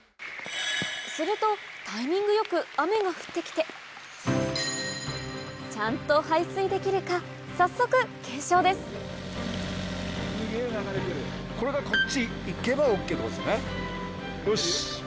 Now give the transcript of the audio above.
するとタイミング良く雨が降って来てちゃんと排水できるか早速検証ですよし！